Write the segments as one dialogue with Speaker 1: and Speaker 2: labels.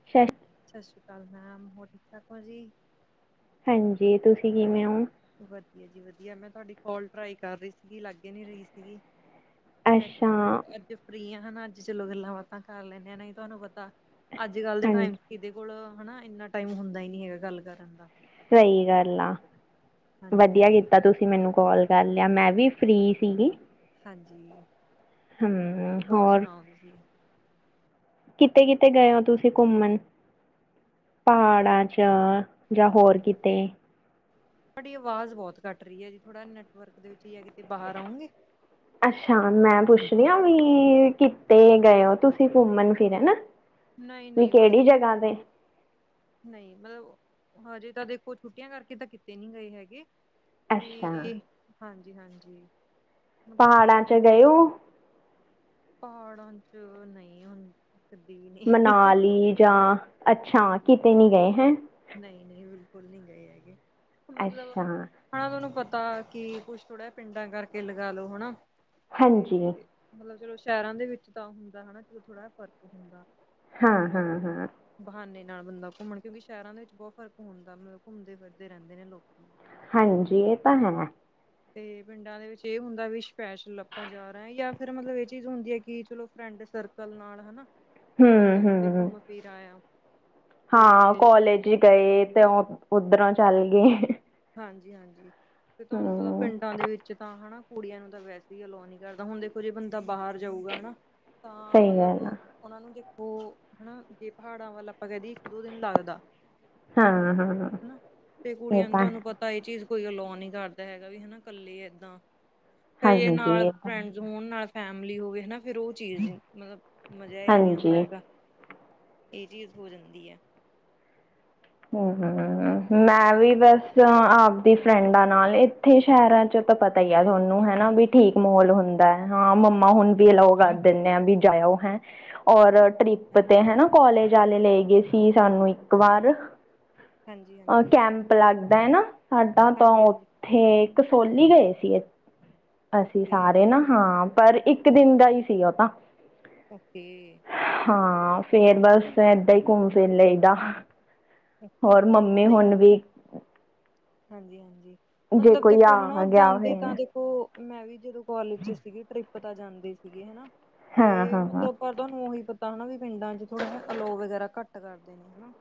Speaker 1: [inaudible]
Speaker 2: ਸਤਿ ਸ਼੍ਰੀ ਅਕਾਲ ਮੈਮ, ਹੋਰ ਠੀਕ-ਠਾਕ ਹੋ ਜੀ।
Speaker 1: ਹਾਂਜੀ, ਤੁਸੀਂ ਕਿਵੇਂ ਔਂ?
Speaker 2: ਵਧੀਆ ਜੀ ਵਧੀਆ, ਮੈਂ ਤੁਹਾਡੀ ਕੋਲ ਟਰਾਈ ਕਰ ਰਹੀ ਸੀਗੀ ਲੱਗ ਹੀ ਨੀ ਰਹੀ ਸੀਗੀ। ਮੈਂ
Speaker 1: ਅੱਛਾ
Speaker 2: ਕਿਹਾ ਅੱਜ ਫਰੀ ਹਾਂ ਨਾ, ਅੱਜ ਚਲੋ ਗੱਲਾਂ ਬਾਤਾਂ ਕਰ ਲੈਂਨਦੇ ਹਾ ਨਹੀ ਤਾਂ ਤੁਹਾਨੂੰ ਪਤਾ। ਅੱਜ ਕੱਲ ਦੇ ਟਾਈਮ
Speaker 1: ਹਾਂਜੀ
Speaker 2: ਚ ਕਿਦੇ ਕੋਲ ਹੈ ਨਾ ਇੰਨਾ ਟਾਈਮ ਹੁੰਦਾ ਹੀ ਨਹੀਂ ਹੈਗਾ ਗੱਲ ਕਰਨ ਦਾ।
Speaker 1: ਸਹੀ ਗੱਲ ਆ,
Speaker 2: ਹਾਂਜੀ
Speaker 1: ਵਧੀਆ
Speaker 2: ਹਾਂਜੀ
Speaker 1: ਕੀਤਾ ਤੁਸੀਂ। ਮੈਨੂੰ ਕੌਲ ਕਰ ਲਿਆ, ਮੈਂ ਵੀ ਫ੍ਰਰੀ ਸੀਗੀ।
Speaker 2: ਹਾਂਜੀ ਹੋਰ ਸੁਣਾਓ ਤੁਸੀਂ।
Speaker 1: ਕਿੱਤੇ -ਕਿੱਤੇ ਗਏ ਹੋ, ਤੁਸੀਂ ਘੁੰਮਣ। ਪਹਾੜਾਂ ਚ ਜਾਂ ਹੋਰ ਕਿਤੇ।
Speaker 2: ਤੁਹਾਡੀ ਆਵਾਜ਼ ਬਹੁਤ ਕੱਟ ਰਹੀ ਹੈ, ਜੀ ਥੋੜ੍ਹਾ ਨੈੱਟਵਰਕ ਦੇ ਵਿੱਚ ਹੀ ਹੈ ਕਿਤੇ ਬਾਹਰ ਆਉਂਗੇ।
Speaker 1: ਅੱਛਾ ਮੈਂ ਪੁੱਛਦੀ ਹ ਵੀ ਕਿੱਤੇ ਗਏ ਹੋ, ਤੁਸੀਂ ਘੁੰਮਣ ਫਿਰ ਨਾ।
Speaker 2: ਨਹੀਂ
Speaker 1: ਵੀ
Speaker 2: ਨਹੀਂ ਬਸ,
Speaker 1: ਕਿਹੜੀ ਜਗ੍ਹਾ ਤੇ।
Speaker 2: ਨਹੀਂ ਮਤਲਬ ਹਜੇ ਤਾਂ ਦੇਖੋ ਛੁੱਟੀਆਂ, ਕਰਕੇ ਤਾਂ ਕਿਤੇ ਨਹੀਂ ਗਏ ਹੈਗੇ।
Speaker 1: ਅੱਛਾ
Speaker 2: ਸਵੇਰੇ ਹਾਂਜੀ -ਹਾਂਜੀ। ਮਤਲਬ
Speaker 1: ਪਹਾੜਾਂ ਚ
Speaker 2: ਉਦਨ
Speaker 1: ਗਏ ਹੋ
Speaker 2: ਪਹਾੜਾਂ ਚ ਨਹੀਂ ਹੁੰ।
Speaker 1: ਮਨਾਲੀ ਜਾਂ ਅੱਛਾ, ਕਿਤੇ ਨਹੀਂ ਗਏ ਹੈਂ।
Speaker 2: ਨਹੀਂ- ਨਹੀਂ, ਬਿਲਕੁਲ ਨਹੀਂ ਗਏ ਹੈਗੇ ਫਿਰ ਮਤਲਬ।
Speaker 1: ਅੱਛਾ
Speaker 2: ਹਨਾ ਤੁਹਾਂਨੂੰ ਪਤਾ ਕੀ ਕੁੱਛ ਥੋੜ੍ਹਾ, ਪਿੰਡਾਂ ਕਰਕੇ ਲਗਾ ਲੋ ਹਨਾ
Speaker 1: ਹਾਂਜੀ
Speaker 2: ਤੇ। ਮਤਲਬ ਚਲੋ ਸ਼ਹਿਰਾਂ ਦੇ ਵਿੱਚ ਤਾਂ ਹੁੰਦਾ ਹੈਨਾ ਚਲੋ ਥੋੜਾ ਫ਼ਰਕ ਹੁੰਦਾ
Speaker 1: ਹਾਂ
Speaker 2: ਚਲੋ
Speaker 1: ਹਾਂ
Speaker 2: ਓਹੋ
Speaker 1: ਹਾਂ
Speaker 2: ਬਹਾਨੇ ਨਾਲ ਬੰਦਾ ਘੁੰਮਣ ਕਿਉਂਕਿ ਸ਼ਹਿਰਾਂ ਦੇ ਵਿੱਚ ਬਹੁਤ ਫ਼ਰਕ ਹੁੰਦਾ ਮਤਲਬ ਘੁੰਮਦੇ ਫਿਰਦੇ ਰਹਿੰਦੇ ਨੇ ਲੋਕ
Speaker 1: ਹਾਂਜੀ, ਇਹ ਤਾਂ ਹੈ।
Speaker 2: ਹ [inaudible] ਤੇ ਪਿੰਡਾਂ ਦੇ ਵਿੱਚ ਇਹ ਹੁੰਦੈ ਵੀ ਸਪੈਸ਼ਲ ਆਪਾਂ ਜਾ ਰਹੇ ਜਾਂ ਫਿਰ ਮਤਲਬ ਇਹ ਚੀਜ਼ ਹੁੰਦੀ ਹੈ ਕਿ ਚਲੋ ਫਰੈਂਡ ਸਰਕ ਕਲ ਨਾਲ ਹੈਨਾ
Speaker 1: ਹੂੰ
Speaker 2: ਬੰਦਾ ਕਿਤੇ
Speaker 1: ਹੂੰ
Speaker 2: ਘੁੰਮ ਫਿਰ ਆਇਆ।
Speaker 1: ਹਾਂ
Speaker 2: ਤੇ
Speaker 1: ਕੋਲੇਜ ਗਏ ਤੇ ਉੱਧਰੋਂ ਚੱਲ ਗਏ।
Speaker 2: ਹਾਂਜੀ, ਹਾਂਜੀ ਤੇ ਤੁਹਾਨੂੰ ਪਤਾ
Speaker 1: ਹੂੰ
Speaker 2: ਪਿੰਡਾਂ ਦੇ ਵਿੱਚ ਚ ਤਾਂ ਹੈਨਾ, ਕੁੜੀਆਂ ਨੂੰ ਤਾਂ ਵੈਸੇ ਹੀ ਅਲੋ ਨੀ ਕਰਦਾ ਹੁਣ ਦੇਖੋ ਜੇ ਬੰਦਾ ਬਾਹਰ ਜਾਊਗਾ ਹੈਨਾ ਤਾਂ
Speaker 1: ਸਹੀ
Speaker 2: ਮਤਲਬ
Speaker 1: ਗੱਲ ਆ
Speaker 2: ਉਹਨਾਂ ਨੂੰ ਦੇਖੋ ਹੈਨਾ ਜੇ ਪਹਾੜਾਂ ਵੱਲ ਆਪਾਂ ਜਾਈਏ ਇੱਕ ਦੋ ਦਿਨ ਲੱਗਦਾ।
Speaker 1: ਹਾਂ, ਹਾਂ ਹਾਂ ਇਹ ਤਾਂ ਹੈ
Speaker 2: ਤਾਂ ਇਹ ਚੀਜ਼ ਕੋਈ ਅਲੋ ਨੀ ਕਰਦਾ ਹੈਗਾ ਵੀ ਹੈਨਾ ਕੱਲੇ ਏਦਾਂ ਫੇ
Speaker 1: ਹਾਂਜੀ
Speaker 2: ਨਾਲ
Speaker 1: ਇਹ ਤਾਂ
Speaker 2: ਫਰੈਂਡ ਜੇ ਹੁਣ ਨਾਲ ਫੈਮਿਲੀ ਹੋਵੇ ਹੈਨਾ। ਫਿਰ ਉਹ ਚੀਜ਼ ਮਤਲਬ ਮਜ਼ਾ ਜਿਆ ਨਹੀਂ ਆਂਦਾ
Speaker 1: ਹਾਂਜੀ
Speaker 2: ਹੈਗਾ ਇਹ ਚੀਜ਼ ਹੋ ਜਾਂਦੀ ਆ।
Speaker 1: ਹਮ ਹ ਮੈਂ ਵੀ ਬਸ ਆਪ ਫਰੈਂਡਾਂ ਨਾਲ ਇੱਥੇ ਸ਼ਹਿਰਾਂ ਚ ਤਾਂ ਪਤਾ ਹੀ ਆ ਤੁਹਾਨੂੰ ਹੈਨਾ ਵੀ ਠੀਕ ਮਾਹੋਲ ਹੁੰਦ ਹਾਂ ਮੰਮਾ ਹੁਣ ਵੀ ਅਲਾਓ ਕਰ ਦਿੰਨੇ ਆ ਵੀ ਜਾ ਆਇਓ ਹੈ ਔਰ ਟ੍ਰਿਪ ਤੇ ਹੈਨਾ ਕੋਲਜ ਆਲੇ ਲੇ ਗਏ ਸੀ ਸਾਨੂੰ ਇੱਕ ਵਾਰ ਔਰ
Speaker 2: ਹਾਂਜੀ-ਹਾਂਜੀ,
Speaker 1: ਕੈਂਪ ਲੱਗਦਾ ਹੈ ਨਾ ਸਾਡਾ ਤਾਂ ੳਹ
Speaker 2: ਹਾਂਜੀ-ਹਾਂਜੀ,
Speaker 1: ਉਥੇ, ਕਸੋਲੀ ਗਏ ਸੀ ਅਸੀਂ
Speaker 2: ਓਕੇ-ਓਕੇ,
Speaker 1: ਸਾਰੇ ਨਾ। ਹਾਂ ਪਰ ਇੱਕ ਦਿਨ ਦਾ ਹੀ ਸੀ ੳਹ ਤਾਂ।
Speaker 2: ਓਕੇ।
Speaker 1: ਹਾਂ, ਫੇਰ ਬਸ ਏਦਾਂ ਹੀ ਘੁੰਮ ਫਿਰ ਲਈ ਦਾ।
Speaker 2: ਓਕੇ ਓਕੇ
Speaker 1: ਹੋਰ ਮੰਮੀ
Speaker 2: ਨਹੀਂ
Speaker 1: ਹੁਣ
Speaker 2: ਦੇਖੋ
Speaker 1: ਵੀ
Speaker 2: ਹਾਂਜੀ, ਹਾਂਜੀ
Speaker 1: ਜੇ
Speaker 2: ਮਤਲਬ
Speaker 1: ਕੋਈ
Speaker 2: ਦੇਖੋ
Speaker 1: ਆ
Speaker 2: ਹੁਣ
Speaker 1: ਗਿਆ
Speaker 2: ਜਾਂਦੇ ਤਾਂ
Speaker 1: ਹੋਏ
Speaker 2: ਦੇਖੋ ੳਹ ਮੈਂ ਵੀ ਜਦੋਂ ਕਾਲਜ ਚ ਸੀਗੀ ਟ੍ਰਿਪ ਤਾਂ ਜਾਂਦੇ ਸੀਗੇ ਹੈਨਾ ਤੇ
Speaker 1: ਹਾਂ ਹਾਂ
Speaker 2: ਮਤਲਬ ਪਰ ਤੁਹਾਨੂੰ ਉਹੀ ਪਤਾ ਹੈਨਾ ਵੀ ਪਿੰਡਾਂ ਚ ਥੋੜ੍ਹਾ ਜਿਹਾ ਅਲੋਓ ਵਗੈਰਾ ਘੱਟ ਕਰਦੇ ਨੇ ਹੈਨਾ।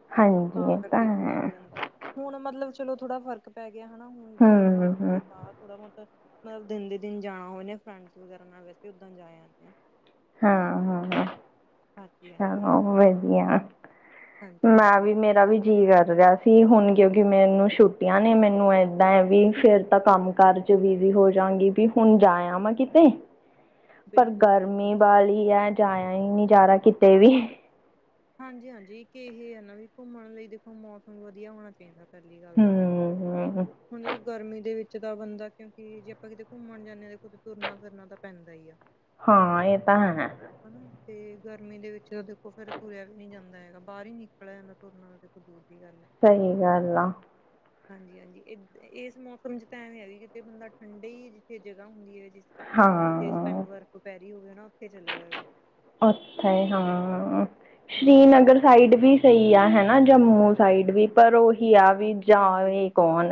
Speaker 2: ਤਾਂ
Speaker 1: ਹਾਂਜੀ ਇਹ
Speaker 2: ਕਰਕੇ ਥੋੜਾ
Speaker 1: ਹੈ
Speaker 2: ਹੋ ਜਾਂਦਾ। ਹੁਣ ਮਤਲਬ ਚਲੋ ਥੋੜਾ ਫ਼ਰਕ ਪੈ ਗਿਆ ਹੈਣਾ, ਹੁਣ ਜੇ
Speaker 1: ਹਮ ਹਮ
Speaker 2: ਬਾਅਦ ਥੋੜਾ ਬਹੁਤ ਮਤਲਬ, ਦਿਨ ਦੇ ਦਿਨ ਜਾਣਾ ਹੋਏ ਨੇ ਫਰੈਂਡਸ ਵਗੈਰਾ ਨਾਲ, ਵੈਸੇ ਉੱਦਾਂ ਜਾ ਜਾਂਨੇ ਆ।
Speaker 1: ਹਾਂ, ਹਾਂ।
Speaker 2: ਹਾਂਜੀ ਹਾਂਜੀ
Speaker 1: ਚਲੋ ਵਧੀਆ,
Speaker 2: ਹਾਂਜੀ
Speaker 1: ਮੈਂ
Speaker 2: ਹਾਂਜੀ
Speaker 1: ਵੀ ਮੇਰਾ ਵੀ ਜੀ ਕਰ ਰਿਹਾ ਸੀ ਹੁਣ ਕਿਉਂਕਿ ਮੈਨੂੰ ਛੁੱਟੀਆਂ ਨੇ, ਮੈਨੂੰ ਏਦਾਂ ਹੈ ਵੀ ਫੇਰ ਤਾਂ ਕੰਮ ਕਰ ਬਿਜੀ ਹੋ ਜਾਂਗੀ, ਵੀ ਹੁਣ ਜਾ ਆਂਵਾ ਮੈਂ ਕਿਤੇ
Speaker 2: [inaudible]
Speaker 1: ਪਰ
Speaker 2: ਬਿਲਕੁਲ ਬਿਲਕੁਲ
Speaker 1: ਗਰਮੀ ਵਾਲੀ ਹੈ, ਜਾਇਆ ਹੀ ਨਹੀਂ ਜਾ ਰਿਹਾ ਕਿਤੇ ਵੀ।
Speaker 2: ਹਾਂਜੀ ਹਾਂਜੀ, ਕਿ ਇਹ ਹੈ ਨਾ ਵੀ ਘੁੰਮਣ ਲਈ ਦੇਖੋ ਮੌਸਮ ਵਧੀਆ ਹੋਣਾ ਚਾਹੀਦਾ, ਪਹਿਲੀ ਗੱਲ
Speaker 1: ਹੂੰ
Speaker 2: ਤਾਂ।
Speaker 1: ਹੂੰ,
Speaker 2: ਦੇ ਗਰਮੀ ਦੇ ਵਿੱਚ ਤਾਂ ਬੰਦਾ, ਕਿਉਂਕਿ ਜੇ ਆਪਾਂ ਕਿਤੇ ਘੁੰਮਣ ਜਾਂਨੇ ਹਾਂ ਤੇ ਖੁ, ਤੁਰਨਾ ਫਿਰਨਾ ਤਾਂ ਪੈਂਦਾ ਹੀ ਆ।
Speaker 1: ਹਾਂ, ਇਹ ਤਾਂ ਹੈ।
Speaker 2: ਹੈਨਾ, ਤੇ ਗਰਮੀ ਦੇ ਵਿੱਚ ਤਾਂ ਦੇਖੋ ਫਿਰ ਤੁਰਿਆ ਵੀ ਨਹੀਂ ਜਾਂਦਾ ਹੈਗਾ, ਬਾਹਰ ਹੀ ਨਿਕਲਿਆ ਇਹ ਘੁਮਨਾ ਤਾਂ ਦੇਖੋ, ਦੂਰ ਦੀ ਗੱਲ ਹੈ।
Speaker 1: ਸਹੀ ਗੱਲ ਆ।
Speaker 2: ਹਾਂਜੀ, ਹਾਂਜੀ। ਇ ਇਸ ਮੌਸਮ 'ਚ ਤਾਂ ਐਵੇਂ ਹੈਗੈ ਕਿਤੇ ਬੰਦਾ ਠੰਡੇ ਹੀ ਜਿੱਥੇ ਜਗ੍ਹਾ ਹੁੰਦੀ ਹੈ, ਜਿਸ 'ਟ ਮਤਲਬ ਜਿੱਥੇ ਪੈਂ
Speaker 1: ਹਾਂ
Speaker 2: ਬਰਫ ਪੈ ਰਹੀ ਹੋਵੇ ਨਾ, ਉੱਥੇ ਚਲਾ ਜਾਵੇ।
Speaker 1: ਉੱਥੇ ਹਾਂ,
Speaker 2: ਹਾਂਜੀ-ਹਾਂਜੀ,
Speaker 1: ਸ਼੍ਰੀਨਗਰ ਸਾਈਡ ਵੀ ਸਹੀ ਆ ਹੈਨਾ, ਜੰਮੂ ਸਾਈਡ ਵੀ, ਪਰ ਉਹੀ ਆ ਵੀ
Speaker 2: ਹਾਂਜੀ
Speaker 1: ਜਾਵੇ ਕੌਣ,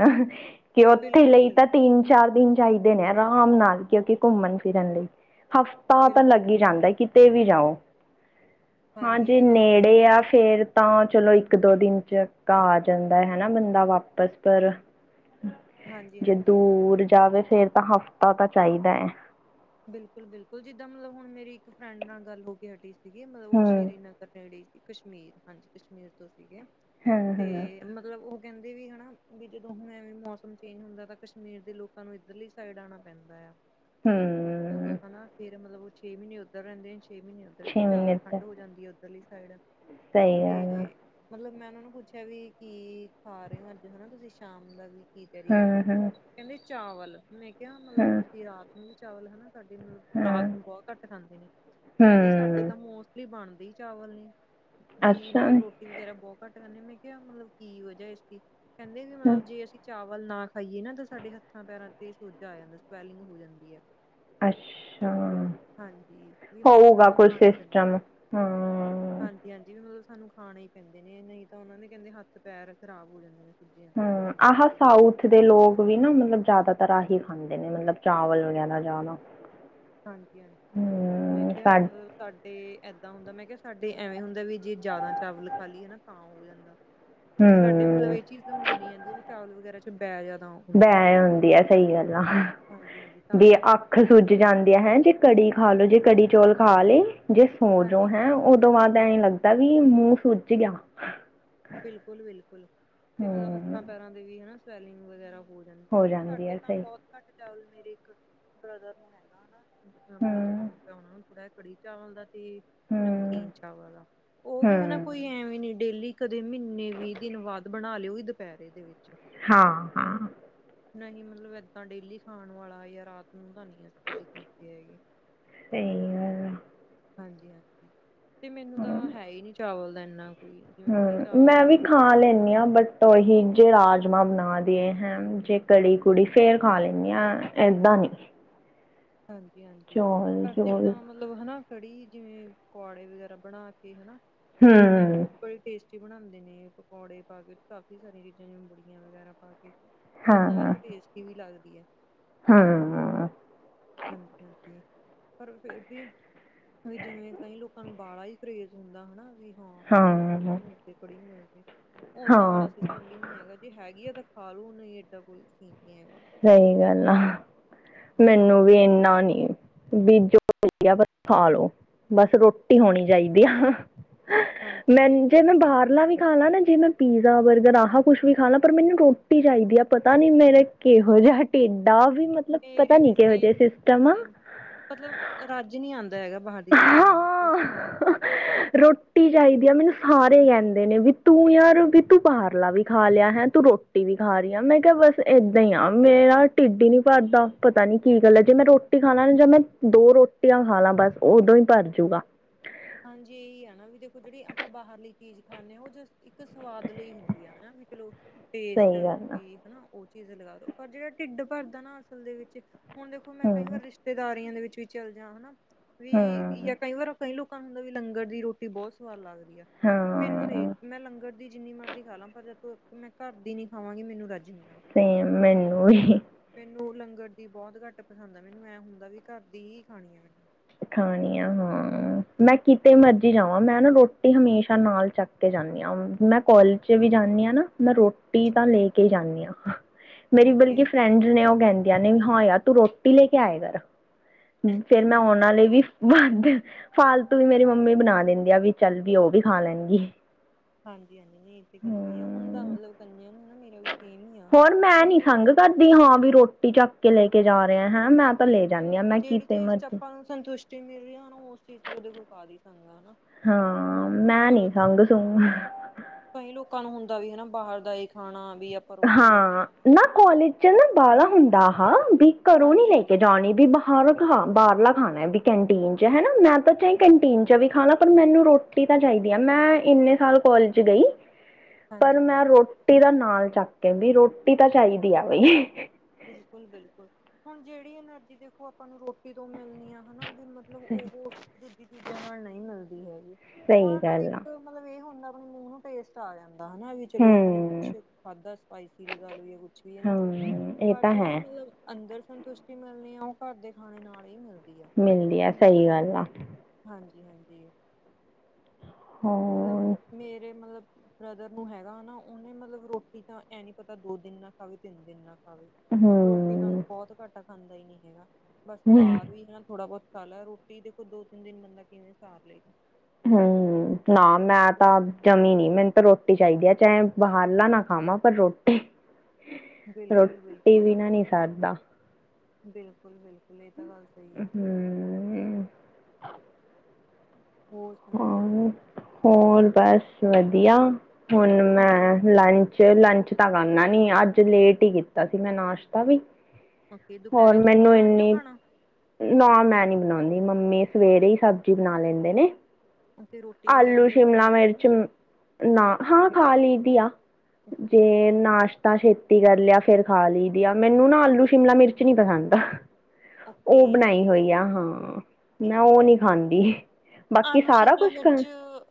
Speaker 1: ਕਿ ਉੱਥੇ ਲਈ ਤਾਂ
Speaker 2: ਬਿਲਕੁਲ-ਬਿਲਕੁਲ,
Speaker 1: ਤਿੰਨ ਚਾਰ ਦਿਨ ਚਾਹੀਦੇ ਨੇ ਆਰਾਮ ਨਾਲ, ਕਿਉਂਕਿ ਘੁੰਮਣ ਫਿਰਨ ਲਈ ਹਫ ਤਾ ਤਾਂ ਲੱਗ ਹੀ
Speaker 2: ਬਿਲਕੁਲ-ਬਿਲਕੁਲ
Speaker 1: ਜਾਂਦਾ ਕਿਤੇ ਵੀ ਜਾਓ, ਹਾਂ
Speaker 2: ਹਾਂਜੀ ਇਹ
Speaker 1: ਜੇ
Speaker 2: ਤਾਂ ਗੱਲ ਠੀਕ
Speaker 1: ਨੇੜੇ ਆ ਫੇਰ ਤਾਂ ਚਲੋ ਇੱਕ ਦੋ ਦਿਨ 'ਚ ਘਾਹ ਆ ਜਾਂਦਾ ਹਨਾ, ਬੰਦਾ ਵਾਪਸ ਪਰ ਜੇ
Speaker 2: ਹਾਂਜੀ-ਹਾਂਜੀ
Speaker 1: ਦੂਰ ਜਾਵੇ, ਫੇਰ ਤਾਂ ਹਫ਼ਤਾ ਤਾਂ ਚਾਹੀਦਾ ਹੈ।
Speaker 2: ਬਿਲਕੁਲ ਬਿਲਕੁਲ, ਜਿੱਦਾਂ ਮਤਲਬ ਹੁਣ ਮੇਰੀ ਇੱਕ ਫਰੈਂਡ ਨਾਲ ਗੱਲ ਹੋ ਕੇ ਹਟੀ ਸੀਗੀ, ਮਤਲਬ ਉਹ
Speaker 1: ਹੂੰ
Speaker 2: ਸ਼੍ਰੀਨਗਰ ਜਿਹੜੀ ਸੀ ਕਸ਼ਮੀਰ, ਹਾਂਜੀ ਕਸ਼ਮੀਰ ਤੋਂ ਸੀਗੇ,
Speaker 1: ਹਾਂ
Speaker 2: ਤੇ
Speaker 1: ਹਾਂ
Speaker 2: ਮਤਲਬ ਉਹ ਕਹਿੰਦੇ ਵੀ ਹਨਾ ਵੀ ਜਦੋਂ ਹੁਣ ਐਵੇਂ ਮੌਸਮ ਚੇਂਜ ਹੁੰਦਾ ਤਾਂ, ਕਸ਼ਮੀਰ ਦੇ ਲੋਕਾਂ ਨੂੰ ਇੱਧਰਲੀ ਸਾਈਡ ਆਉਣਾ ਪੈਂਦਾ ਆ।
Speaker 1: ਹਮ।
Speaker 2: ਹਨਾ ਫ਼ੇ, ਮਤਲਬ ਉਹ ਛੇ ਮਹੀਨੇ ਉਓਧਰ ਰਹਿੰਦੇ ਨੇ ਛੇ ਮਹੀਨੇ ਉੱਧਰ, ਤੇ
Speaker 1: ਛੇ
Speaker 2: ਜ਼ਿਆਦਾ
Speaker 1: ਮਹੀਨੇ ਤਾਂ
Speaker 2: ਠੰਡ ਹੋ ਜਾਂਦੀ ਹੈ ਉੱਧਰਲੀ ਸਾਈਡ
Speaker 1: ਸਹੀ ਗੱਲ ਆ
Speaker 2: ਤੇ ਮਤਲਬ ਮੈਂ ਉਹਨਾਂ ਨੂੰ ਪੁੱਛਿਆ ਵੀ ਕੀ ਖਾ ਰਹੇ ਹੋ ਅੱਜ ਹਨਾ, ਤੁਸੀਂ ਸ਼ਾਮ ਦਾ ਵੀ ਕੀ ਕੀ ਖਾ ਰਹੇ
Speaker 1: ਹੂੰ,
Speaker 2: ਹੋ
Speaker 1: ਹੂੰ,
Speaker 2: ਕਹਿੰਦੇ ਚਾਵਲ, ਮੈਂ ਕਿਹਾ ਮਤਲਬ
Speaker 1: ਹੂੰ,
Speaker 2: ਤੁਸੀਂ ਰਾਤ ਨੂੰ ਵੀ ਚਾਵਲ, ਹਨਾ। ਸਾਡੀ ਮਤਲਬ ਰਾਤ
Speaker 1: ਹੂੰ,
Speaker 2: ਨੂੰ ਬਹੁਤ ਘੱਟ ਖਾਂਦੇ ਨੇ, ਕਹਿੰਦੇ ਸਾਡੇ
Speaker 1: ਹੂੰ,
Speaker 2: ਤਾਂਸ ਬਣਦੀ ਚਾਵਲ ਨੇ, ਵੀ
Speaker 1: ਅੱਛਾ
Speaker 2: ਮਤਲਬ ਰੋਟੀ ਵਗੈਰਾ ਬਹੁਤ ਘੱਟ ਕਦੇ, ਮੈਂ ਕਿਹਾ ਮਤਲਬ ਕੀ ਵਜਾ ਇਸਦੀ, ਕਹਿੰਦੇ ਵੀ ਮਤਲਬ
Speaker 1: ਹੂੰ,
Speaker 2: ਜੇ ਅਸੀਂ ਚਾਵਲ ਨਾ ਖਾਈਏ ਨਾ ਤਾਂ, ਸਾਡੇ ਹੱਥਾਂ ਪੈਰਾਂ ਤੇ ਸੋਜਾ ਆ ਜਾਂਦਾ ਸਵੈਲਿੰਗ ਹੋ ਜਾਂਦੀ ਹੈ।
Speaker 1: ਅੱਛਾ।
Speaker 2: ਹਾਂਜੀ, ਵੀ ਮਤਲਬ
Speaker 1: ਹੋਊਗਾ
Speaker 2: ਸਾਨੂੰ
Speaker 1: ਕੋਈ
Speaker 2: ਖਾਣ ਪੈਂਦੇ ਨੇ।
Speaker 1: ਸਿਸਟਮ ਹੂੰ
Speaker 2: ਹਾਂਜੀ ਹਾਂਜੀ, ਵੀ ਮਤਲਬ ਸਾਨੂੰ ਖਾਣੇ ਹੀ ਪੈਂਦੇ ਨੇ ਨਹੀਂ ਤਾਂ ਉਹਨਾਂ ਦੇ ਕਹਿੰਦੇ, ਹੱਥ ਪੈਰ ਖ਼ਰਾਬ ਹੋ ਜਾਂਦੇ ਨੇ। ਸੁੱਜੀ ਜਾਂਦੇ ਨੇ ਅਗਰ
Speaker 1: ਹ,
Speaker 2: ਨਾ
Speaker 1: ਆਹ ਸਾਊਥ ਦੇ ਲੋਕ ਵੀ ਨਾ ਮਤਲਬ, ਜ਼ਿਆਦਾਤਰ ਆਹੀ ਖਾਂਦੇ ਨੇ ਮਤਲਬ ਚਾਵਲ ਵਗੈਰਾ ਜਾਂ ਨਾ
Speaker 2: ਹਾਂਜੀ ਹਾਂਜੀ, ਮੈਂ ਕਿਹਾ
Speaker 1: ਸਾ
Speaker 2: ਮਤਲਬ ਸਾਡੇ ਇਏਦਾਂ ਹੁੰਦਾ, ਮੈਂ ਕਿਹਾ ਸਾਡੇ ਐਵੇਂ ਹੁੰਦਾ ਵੀ ਜੇ ਜ਼ਿਆਦਾ ਚਾਵਲ ਖਾਲੀ ਹੈ ਨਾ ਤਾਂ ਹੋ ਜਾਂਦਾ। ਵੀ ਸਾਡੇ ਮਤਲਬ
Speaker 1: ਹੂੰ
Speaker 2: ਇਹ ਚੀਜ਼ ਤਾਂ ਮੰਨੀ ਜਾਂਦੀ ਵੀ, ਚਾਵਲ ਵਗੈਰਾ 'ਚ ਬਹਿ ਜਾਂਦਾ
Speaker 1: ਬੈਂ ਹੁੰਦੀ ਆ, ਸਹੀ ਗੱਲ ਆ,
Speaker 2: ਹਾਂਜੀ-ਹਾਂਜੀ ਤਾਂ
Speaker 1: ਵੀ
Speaker 2: ਕਰਕੇ
Speaker 1: ਅੱਖ
Speaker 2: ਮਤਲਬ
Speaker 1: ਸੂ ਜਾਂਦੇ ਆ ਹੈਂ। ਜੇ ਕੜੀ ਖਾ ਲੋ ਜੇ ਕੜੀ ਚੌਲ ਖਾ ਲਏ। ਜੇ ਸੋਜੋ ਹੈ।
Speaker 2: ਹਾਂਜੀ-ਹਾਂਜੀ
Speaker 1: ਉਦੋਂ ਬਾਅਦ ਐਂ ਲੱਗਦਾ ਵੀ ਮੂੰਹ ਸੁੱਜ ਗਿਆ।
Speaker 2: ਬਿਲਕੁਲ-ਬਿਲਕੁਲ, ਤੇ ਮਤਲਬ
Speaker 1: ਹੂੰ
Speaker 2: ਹੱਥਾਂ ਪੈਰਾਂ ਦੇ ਵੀ ਹਨਾ ਸਵੈਲਿੰਗ ਵਗੈਰਾ। ਹੋ ਜਾਣ ਮਤਲਬ,
Speaker 1: ਜਾਂਦੀ
Speaker 2: ਸਾਡੇ
Speaker 1: ਆ
Speaker 2: ਤਾਂ
Speaker 1: ਸਹੀ
Speaker 2: ਬਹੁਤ ਘੱਟ ਚਾਵਲ ਮੇਰੇ ਇੱਕ ਬ੍ਰਦਰ ਨੂੰ ਹੈਗਾ ਹਨਾ
Speaker 1: ਹੂੰ
Speaker 2: ਸ਼ੌਂਕ ਹੈ। ਉਹਨਾ ਨੂੰ ਕੜੀ ਚਾਵਲ ਦਾ ਤੇ
Speaker 1: ਹੂੰ
Speaker 2: ਨਮਕੀਨ ਚਾਵਲ ਦਾ ਉਹ ਵੀ ਹਨਾ ਕੋਈ
Speaker 1: ਹੂੰ
Speaker 2: ਐਵੇ ਹੀ ਨੀ ਡੇਲੀ ਕਦੇ, ਮਹੀਨੇ ਵੀਹ ਦਿਨ ਬਾਅਦ ਬਣਾ ਲਿਓਗੀ ਦੁਪਹਿਰੇ ਦੇ ਵਿੱਚ
Speaker 1: ਹਾਂ, ਹਾਂ।
Speaker 2: ਨਹੀਂ, ਮਤਲਬ, ਏਦਾਂ ਡੇਲੀ ਖਾਣ ਵਾਲਾ ਜਾਂ ਰਾਤ ਨੂੰ ਤਾਂ ਨਹੀਂ ਇਸ ਕਦੀ ਖਾਂਦੇ ਹੈਗੇ।
Speaker 1: ਅਤੇ
Speaker 2: ਹਾਂਜੀ-ਹਾਂਜੀ, ਤੇ ਮੈਨੂੰ ਤਾਂ ਹੈ, ਹੀ ਨੀ ਚਾਵਲ ਦਾ ਇੰਨਾ ਕੋਈ ਜਿਵੇਂ ਕੜੀ
Speaker 1: ਹੂ,
Speaker 2: ਚਾਵਲ ਦਾ
Speaker 1: ਮੈਂ ਵੀ
Speaker 2: ਨੀ
Speaker 1: ਖਾ ਲੈਂਦੀ ਹਾਂ। ਬਟ ਤੋਂਹੀ, ਜੇ ਰਾਜਮਾਂ ਬਣਾ ਦੇਏ ਹੈਂ। ਜੇ ਕੜੀ ਕੁੜੀ ਫੇਰ ਖਾ ਲੈਂਦੀ ਹਾ, ਏਦਾਂ ਨੀ।
Speaker 2: ਹਾਂਜੀ-ਹਾਂਜੀ,
Speaker 1: ਚੌਲ
Speaker 2: ਪਰ
Speaker 1: ਚੌਲ
Speaker 2: ਜਿੱਦਾਂ ਮਤਲਬ ਹਨਾ। ਕੜੀ ਜਿਵੇਂ ਪਕੌੜੇ ਵਗੈਰਾ ਬਣਾ ਕੇ ਹਨਾ।
Speaker 1: ਹੂੰ
Speaker 2: ਬੜੀ ਟੇਸਟੀ ਬਣਾਉਂਦੇ ਨੇ, ਪਕੌੜੇ ਪਾ ਕੇ ਕਾਫੀ ਸਾਰੀਆਂ ਚੀਜ਼ਾਂ ਨੇਬੜੀਆਂ ਵਗੈਰਾ ਪਾ ਕੇ ਤੇ,
Speaker 1: ਹਾਂ
Speaker 2: ਓਦਾਂ ਵੈਸੇ ਟੇਸਟੀ ਵੀ ਲੱਗਦੀ ਹੈ।
Speaker 1: ਹਾਂ।
Speaker 2: ਹਾਂਜੀ-ਹਾਂਜੀ, ਪਰ ਫੇਰ ਵੀ ਵੀ ਜਿਵੇਂ ਕਈ ਲੋਕਾਂ ਨੂੰ ਵਾਲਾ ਹੀ ਕਰੇਜ਼ ਹੁੰਦਾ ਹਨਾ। ਵੀ ਹਾਂ, ਮੈਨੂੰ ਤਾਂ ਖੜ੍ਹੀ
Speaker 1: ਹਾਂ
Speaker 2: ਮਿਲਦੇ ਖੜ੍ਹੀ ਮਿਲਦੇ। ਓਦਾਂ
Speaker 1: ਹਾਂ
Speaker 2: ਵਾਲਾ ਸਿਸਟਮ ਵੀ ਨਹੀਂ ਹੈਗਾ। ਜੇ ਹੈਗੀ ਆ ਤਾਂ ਖਾਲੋ ਨਹੀਂ ਏਡਾ ਕੋਈ ਨਹੀਂ ਹੈਗਾ।
Speaker 1: ਸਹੀ ਗੱਲ ਆ, ਮੈਨੂੰ
Speaker 2: ਹਾਂਜੀ-ਹਾਂਜੀ,
Speaker 1: ਵੀ ਇਨਾ ਨੀ। ਬੀਜੋ ਖਾਲੋ, ਬਸ ਰੋਟੀ ਹੋਣੀ
Speaker 2: ਹਾਂਜੀ-ਹਾਂਜੀ,
Speaker 1: ਚਾਹੀਦੀ ਆ।
Speaker 2: ਹਾਂਜੀ ਹਾਂਜੀ
Speaker 1: ਮੈ
Speaker 2: ਹਾਂਜੀ
Speaker 1: ਜੇ
Speaker 2: ਬਿਲਕੁਲ
Speaker 1: ਮੈਂ ਬਾਹਰਲਾ ਵੀ ਖਾਲਾ ਨਾ ਜੇ, ਮੈਂ ਪੀਜ਼ਾ ਬਰਗਰ ਆਹ ਕੁਛ ਵੀ ਖਾ ਲਾ ਪਰ ਮੈਨੂੰ ਰੋਟੀ ਚਾਹੀਦੀ ਆ। ਪਤਾ ਨੀ ਮੇਰੇ ਕਿਹੋ ਜਿਹਾ ਢਿਡ ਆ ਵੀ ਮਤਲਬ, ਪਤਾ
Speaker 2: ਮੇਰੇ
Speaker 1: ਨੀ
Speaker 2: ਵੀ
Speaker 1: ਕਿਹੋ ਜਿਹਾ
Speaker 2: ਸੇਮ-ਸੇਮ
Speaker 1: ਸਿਸਟਮ ਆ।
Speaker 2: ਮਤਲਬ ਰੱਜ ਨਹੀਂ ਆਉਂਦਾ ਹੈਗਾ। ਬਾਹਰ ਦੀ ਚੀਜ਼ਾਂ ਨਾਲ ਇਹ
Speaker 1: ਹਾਂ
Speaker 2: ਚੀਜ਼
Speaker 1: ਰੋਟੀ ਚਾਹੀਦੀ ਆ। ਮੈਨੂੰ ਸਾਰੇ ਕਹਿੰਦੇ ਨੇ ਵੀ ਤੂੰ ਯਾਰ ਵੀ ਤੂੰ ਬਾਹਰਲਾ ਵੀ ਖਾ ਲਿਆ ਹੈ। ਤੂੰ ਰੋਟੀ ਰੋਟੀ ਵੀ ਖਾ ਰਹੀ ਹਾਂ। ਮੈਂ ਕਿਹਾ ਬਸ ਇਦਾਂ ਹੀ ਆ ਮੇਰਾ ਢਿੱਡ ਨੀ ਭਰਦਾ, ਪਤਾ ਨੀ ਕੀ ਗੱਲ ਹੈ‌। ਜੇ ਮੈਂ ਰੋਟੀ ਰੋਟੀ ਖਾ ਲਾ ਜਾਂ ਮੈਂ ਦੋ ਰੋਟੀਆਂ ਖਾ ਲਾ ਬਸ ਉਦੋਂ ਹੀ ਭਰਜੂ ਗਾ।
Speaker 2: ਹਾਂਜੀ, ਇਹੀ ਹੈ ਨਾ ਵੀ ਦੇਖੋ ਜਿਹੜੀ ਆਪਾਂ ਬਾਹਰਲੀ ਚੀਜ਼ ਖਾਂਦੇ ਹਾਂ। ਉਹ ਇੱਕ ਸਵਾਦ ਲਈ ਹੁੰਦੀ ਆ। ਵੀ ਚਲੋ [unintelligible] ਪੇਸਟ
Speaker 1: ਸਹੀ ਗੱਲ ਆ
Speaker 2: ਵੀ ਹਨਾ। ਉਹ ਚੀਜ਼ ਲਗਾ ਦੋ ਪਰ ਜਿਹੜਾ ਢਿੱਡ ਭਰਦਾ ਨਾ ਅਸਲ ਦੇ ਵਿੱਚ ਹੁਣ, ਦੇਖੋ ਮੈਂ ਕਈ ਵਾਰ
Speaker 1: ਹੂੰ
Speaker 2: ਰਿਸ਼ਤੇਦਾਰੀਆਂ ਦੇ ਵਿੱਚ ਵੀ ਚੱਲ ਜਾਂਵਾਂ ਹਨਾ, ਵੀ
Speaker 1: ਹੂੰ
Speaker 2: ਜਾਂ ਕਈ ਵਾਰ ਕਈ ਲੋਕ ਮਤਲਬ, ਵੀ ਲੰਗਰ ਦੀ ਰੋਟੀ ਬਹੁਤ ਸਵਾਦ ਲੱਗਦੀ ਆ। ਮੈਨੂੰ ਨਹੀਂ
Speaker 1: ਹਾਂ
Speaker 2: ਮੈਂ ਲੰਗਰ ਦੀ ਜਿੰਨੀ ਮਰਜ਼ੀ ਖਾ ਲਾ, ਪਰ ਜਦੋਂ ਮੈਂ ਘਰ ਦੀ ਨੀ ਖਾਵਾਂਗੀ। ਮੈਨੂੰ ਰੱਜ ਨਹੀਂ ਆਣਾ।
Speaker 1: ਸੇਮ, ਮੈਨੂੰ ਵੀ
Speaker 2: ਮੈਨੂੰ ਲੰਗਰ ਦੀ ਬਹੁਤ ਘੱਟ ਪਸੰਦ ਆ। ਮੈਨੂੰ ਐਂ ਹੁੰਦਾ ਵੀ ਘਰ ਦੀ ਹੀ ਖਾਣੀ ਆ। ਮੈਨੂੰ
Speaker 1: ਖਾਣੀ ਆ ਹਾਂ। ਮੈਂ ਕਿਤੇ ਮਰਜ਼ੀ ਜਾਂਵਾਂ, ਮੈਂ ਨਾ ਰੋਟੀ ਹਮੇਸ਼ਾ ਨਾਲ ਚੱਕ ਜਾਂਦੀ ਹਾਂ। ਮੈਂ ਕਾਲੇਜ ਚੱ ਵੀ ਜਾਂਦੀ ਹਾਂ। ਨਾ ਮੈਂ ਰੋਟੀ ਰੋਟੀ ਤਾਂ
Speaker 2: ਅੱਛਾ।
Speaker 1: ਲੈ ਕੇ ਜਾਂਦੀ ਹਾਂ। ਮੇਰੀ
Speaker 2: ਓਕੇ
Speaker 1: ਬਲਕਿ
Speaker 2: ਓਕੇ।
Speaker 1: ਫਰੈਂਡ ਨੇ ਉਹ ਕਹਿੰਦੀ। ਕਹਿੰਦੀ ਵੀ ਹਾਂ। ਯਾਰ ਤੂੰ ਰੋਟੀ ਲੈ ਕੇ ਆਏ ਕਰ, ਫਿਰ ਮੈਂ ਉਹਨਾਂ ਲਈ ਵੀ ਵੱਧ ਫਾਲਤੂ ਵੀ ਮੇਰੀ ਮੰਮੀ ਬਣਾ ਦਿੰਦੀ ਆ। ਵੀ ਚੱਲ ਵੀ ਉਹ ਵੀ ਖਾ ਲੈਣਗੀ।
Speaker 2: ਹਾਂਜੀ-ਹਾਂਜੀ, ਨਹੀਂ ਇਹ ਤੇ ਗੱਲ ਸਹੀ ਆ ਹੁਣ ਤਾਂ
Speaker 1: ਹਮ
Speaker 2: ਮਤਲਬ ਕਈਆਂ ਨੂੰ ਹਨਾ। ਮੇਰਾ ਵੀ ਸੇਮ ਹੀ ਆ।
Speaker 1: ਹੋਰ, ਮੈਂ
Speaker 2: ਤੇ
Speaker 1: ਨੀ
Speaker 2: ਮਤਲਬ
Speaker 1: ਸੰਘ ਕਰਦੀ ਹਾਂ। ਵੀ ਰੋਟੀ ਚੱਕ ਕੇ ਲੈ ਕੇ ਜਾ ਰਿਹੇ ਹੈਂ, ਮੈਂ ਤਾਂ ਲੈ ਜਾਂਦੀ ਹਾਂ ਮੈਂ ਕੀਤੇ ਮਰਜ਼ੀ।
Speaker 2: ਹਾਂ ਸਨਤੁਸ਼ਟ [unintelligible] ਤੇ ਮੇਰੀ ਹੁਣ ਉਸ ਚੀਜ਼ ਤੇ ਉਹ ਦੇਖ ਕਾਦੀ ਸੰਗ ਹਨਾ।
Speaker 1: ਹਾਂ,
Speaker 2: ਹੁਣ
Speaker 1: ਮੈਂ
Speaker 2: ਚਲੋ
Speaker 1: ਨਹੀਂ ਸੰਗ- ਸੂੰਗ।
Speaker 2: ਕਈ ਲੋਕਾਂ ਨੂੰ ਹੁੰਦਾ ਵੀ ਹਨਾ ਬਾਹਰ ਦਾ ਇ ਖਾਣਾ ਵੀ ਅ-
Speaker 1: ਹਾਂ ਨਾ ਕਾਲਜ ਚੱ ਨਾ ਬਾਹਲਾ ਹੁੰਦਾ ਹਾਂ ਵੀ ਘਰੋਂ ਨਹੀਂ
Speaker 2: ਹਾਂਜੀ
Speaker 1: ਲੈ ਕੇ
Speaker 2: ਹਾਂਜੀ ਹੁੰਦਾ
Speaker 1: ਜਾਣੀ ਵੀ ਬਾ- ਹਰ
Speaker 2: ਹਾਂਜੀ
Speaker 1: ਹਾਂ ਬਾਹਰਲਾ ਖਾਣਾ ਹੈ ਵੀ ਕੈਂਟੀਨ ਚੱ ਹਨਾ ਮੈਂ ਤਾਂ ਚਾਹੇ
Speaker 2: ਹਾਂਜੀ।
Speaker 1: ਕੈਂਟੀਨ ਚੱ- ਚ ਵੀ ਖਾਣਾ ਪਰ ਮੈਨੂੰ ਰੋਟੀ ਤਾਂ ਚਾਹੀਦੀ ਆ ਮੈਂ ਇੰਨੇ ਸਾਲ ਕਾਲਜ ਗਈ। ਪਰ
Speaker 2: ਹਾਂਜੀ ਹਾਂਜੀ
Speaker 1: ਮੈਂ ਰੋਟੀ ਦਾ ਨਾਲ ਚੱਕ ਆਂਦੀ ਰੋਟੀ ਤਾਂ ਚਾਹੀਦੀ ਆ ਬਈ।
Speaker 2: ਬਿਲਕੁੱਲ- ਬਿਲਕੁੱਲ ਹੁਣ ਜਿਹੜੀ ਐਨਰਜੀ ਦੇਖੋ ਆਪਾਂ ਨੂੰ ਰੋਟੀ ਤੋਂ ਮਿਲਣੀ ਆ ਹਨਾ ਬ- ਮਤਲਬ ਉਹ ਦੂਜੀ- ਤੀਜੇ ਨਾਲ ਨਹੀਂ ਮਿਲਦੀ ਹੈਗੀ,
Speaker 1: ਸਹੀ
Speaker 2: ਉਹ ਨਾਲ
Speaker 1: ਗੱਲ ਆ
Speaker 2: ਇੱਕ- ਮਤਲਬ ਇਹ ਹੁੰਦਾ ਆਪਣੇ ਮੂੰਹ ਨੂੰ ਟੇਸਟ ਆ ਜਾਂਦਾ ਹਨਾ ਇਕ। ਚਲੋ ਆਪਾਂ ਨੇ ਕੁੱਛ
Speaker 1: ਹੂੰ
Speaker 2: ਖਾਧਾ ਸਪਾਈਸੀ ਲਗਾ ਲਓ ਜਾਂ ਕੁੱਛ ਵੀ ਹੈ ਨਾ।
Speaker 1: ਹੂੰ ਇਹ ਤਾਂ ਹੈ
Speaker 2: ਫੇਰ ਅੰਦਰ ਸੰਤੁਸ਼ਟੀ ਮਿਲਣੀ ਆ ਉਹ ਘਰ ਦੇ ਖਾਣੇ ਨਾਲ ਹੀ ਮਿਲਦੀ ਆ।
Speaker 1: ਮਿਲਦੀ ਆ, ਸਹੀ ਗੱਲ ਆ।
Speaker 2: ਹਾਂਜੀ- ਹਾਂਜੀ।
Speaker 1: ਹਾਂ
Speaker 2: ਫੇਰ ਓਹ ਮੇਰੇ ਮੱਤਲਬ ਬ੍ਰਦਰ ਨੂੰ ਹੈਗਾ ਨਾ ਉਹਨੇ ਮਤਲਬ ਰੋਟੀ ਤਾਂ ਇਹ ਨੀ ਪਤਾ ਦੋ ਦਿਨ ਨਾ ਖਾਵੇ ਤਿੰਨ ਦਿਨ ਨਾ ਖਾਵੇ ਰੋਟੀ ਤਾਂ
Speaker 1: ਹੂੰ
Speaker 2: ਉਹਨੂੰ ਬਹੁਤ ਘਟ ਖਾਂਦਾ ਹੀ ਨੀ ਸੀਗਾ ਬਸ ਬਾਹਰ ਵੀ ਨਾ ਥੋੜਾ ਬਹੁਤ ਖਾਲਾ ਰੋਟੀ ਦੇਖੋ ਦੋ- ਤਿੰਨ ਦਿਨ ਬੰਦਾ ਕਿਵੇਂ ਸਾਰ ਲਏਗਾ।
Speaker 1: ਹੂੰ ਨਾ ਮੈਂ
Speaker 2: ਦੇਖੋ
Speaker 1: ਤਾਂ ਆਪ ਜ਼ਮੀਂ ਨਹੀਂ ਮੈਨੂੰ ਤਾਂ ਰੋਟੀ ਚਾਹੀਦੀ ਹੈ ਚਾਹੇ ਬਾਹਰਲਾ ਨਾ ਖਾਵਾਂ ਪਰ ਰੋਟੀ
Speaker 2: ਬਿਲਕੁਲ
Speaker 1: ਰੋਟੀ ਬਿਨਾ ਨੀ ਸਰਦਾ।
Speaker 2: ਬਿਲਕੁੱਲ- ਬਿਲਕੁੱਲ ਇਹ ਤਾਂ ਗੱਲ ਸਹੀ ਆ।
Speaker 1: ਹੂੰ,
Speaker 2: ਹੋਰ ਸੁਣਾਓ
Speaker 1: ਹਾਂ ਹੋਰ ਬਸ ਵਧੀਆ ਹੁਣ ਮੈਂ ਲਾਈ ਲੰਚ ਤਾਂ ਕਰਨਾ ਨੀ ਆ ਅੱਜ ਲੇਟ ਹੀ ਕੀਤਾ ਸੀ ਮੈਂ ਨਾਸ਼ਤਾ ਵੀ।
Speaker 2: ਓਕੇ
Speaker 1: ਹੋਰ
Speaker 2: ਦੁਪਹਿਰੇ ਤੁਸੀਂ
Speaker 1: ਮੈਨੂੰ
Speaker 2: ਬਣਾਉਂਦੇ ਹੋ
Speaker 1: ਇੰਨੀ
Speaker 2: ਖਾਣਾ?
Speaker 1: ਨਾ ਮੈਂ ਨੀ ਬਣਾਉਂਦੀ ਮੰਮੀ ਸਵੇਰੇ ਹੀ ਸਬਜ਼ੀ ਬਣਾ ਲੈਂਦੇ ਨੇ।
Speaker 2: ਅਸੀ ਰੋਟ-
Speaker 1: ਆਲੂ ਸ਼ਿਮਲਾ ਮਿਰਚ ਨਾ ਹਾਂ ਖਾ ਲਈ ਦੀ ਆ
Speaker 2: ਓਕੇ
Speaker 1: ਜੇ- ਨਾਸ਼ਤਾ ਛੇਤੀ ਕਰ ਲਿਆ ਫੇਰ ਖਾ ਲਈ ਦੀ ਆ, ਮੈਨੂੰ ਨਾ ਆਲੂ- ਸ਼ਿਮਲਾ ਮਿਰਚ ਨੀ ਪਸੰਦ।
Speaker 2: ਓਕੇ
Speaker 1: ਉਹ ਬਣਾਈ ਹੋਈ ਆ ਹਾਂ,
Speaker 2: ਠੀਕ
Speaker 1: ਮੈਂ
Speaker 2: ਹੈ
Speaker 1: ਉਹ ਨਹੀਂ ਖਾਂਦੀ। ਬਾਕੀ
Speaker 2: ਆਲੂ
Speaker 1: ਸਾਰਾ
Speaker 2: ਸ਼ਿਮਲਾ
Speaker 1: ਕੁਛ ਖਾ
Speaker 2: ਮਿਰਚ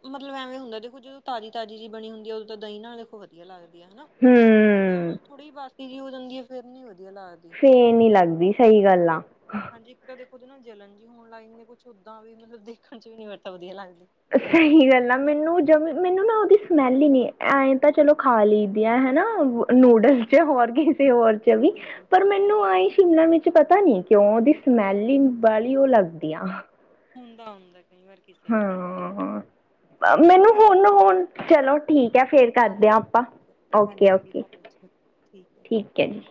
Speaker 2: ਮਤਲਬ ਐਵੇਂ ਹੁੰਦਾ ਦੇਖੋ ਜਦੋਂ ਤਾਜ਼ੀ- ਤਾਜ਼ੀ ਜੀ ਬਣੀ ਹੁੰਦੀ ਹੈ, ਉਦੋਂ ਤਾਂ ਦਹੀਂ ਨਾਲ ਦੇਖੋ ਵਧੀਆ ਲੱਗਦੀ ਹੈ ਹੈਨਾ।
Speaker 1: ਹੂੰ।
Speaker 2: ਥੋੜੀ ਬਾਸੀ ਜਿਹੀ ਹੋ ਜਾਂਦੀ ਹੈ ਫੇਰ ਨੀ ਵਧੀਆ ਲੱਗਦੀ।
Speaker 1: ਫੇਰ ਨੀ ਲੱਗਦੀ, ਸਹੀ ਗੱਲ ਆ।
Speaker 2: ਹਾਂਜੀ ਇੱਕ ਤਾਂ ਦੇਖੋ ਜੇ ਨਾ ਜਲਣ ਜੀ ਹੋਣ ਲੱਗ ਜਾਂਦੇ ਕੁਛ ਓਦਾਂ ਵੀ ਮਤਲਬ ਦੇਖਣ ਚ ਵੀ ਨੀ ਵੈਨਤਾ ਵਧੀਆ ਲੱਗਦੀ।
Speaker 1: ਸਹੀ ਗੱਲ ਆ ਮੈਨੂੰ ਜ ਮੈਨੂੰ ਨਾ ਉਹਦੀ ਸਮੈਲ ਹੀ ਨਹੀਂ, ਐਏਂ ਤਾਂ ਚਲੋ ਖਾ ਲਈ ਦੀਆ ਹੈਨਾ।
Speaker 2: ਹਾਂਜੀ
Speaker 1: ਨੂਡਲ ਚ, ਹੋਰ ਕਿਸੇ ਹੋਰ ਚ ਵੀ
Speaker 2: ਬਿਲਕੁਲ।
Speaker 1: ਪਰ ਮੈਂ ਮੈਨੂੰ ਆਈ ਸ਼ਿਮਲਾ ਮਿਚ ਪਤਾ ਨੀ ਕਿਉਂ ਉਹਦੀ ਸਮੈਲ ਹੀ ਬਾਲੀ ਉਹ ਲੱਗਦੀ ਆ।
Speaker 2: ਹੁੰਦਾ-ਹੁੰਦਾ ਕਈ ਵਾਰ ਕਿ
Speaker 1: ਹਾਂ
Speaker 2: ਚਲੋ
Speaker 1: ਮੈਨੂੰ
Speaker 2: ਠੀਕ ਹੈ,
Speaker 1: ਹੁਣ ਹੁਣ ਚਲੋ ਠੀਕ ਹੈ ਫੇਰ ਕਰਦੇ
Speaker 2: ਹਜੀ
Speaker 1: ਆਪਾਂ
Speaker 2: ਹਾਂ,
Speaker 1: ਓਕੇ
Speaker 2: ਹਾਂਜੀ ਅਗਲੀ
Speaker 1: ਓਕੇ
Speaker 2: ਕਾਲ 'ਚ ਠੀਕ ਹੈ।
Speaker 1: ਠੀਕ ਹੈ, ਜੀ